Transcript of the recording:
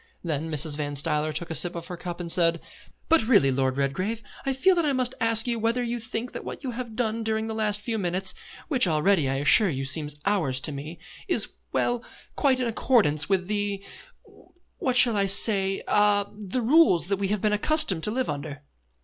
Then Mrs. Van Stuyler took a sip out of her cup and said: "But really, Lord Redgrave, I feel that I must ask you whether you think that what you have done during the last few minutes (which already, I assure you, seem hours to me) is well, quite in accordance with the what shall I say ah, the rules that we have been accustomed to live under?"